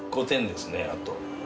５点ですねあと。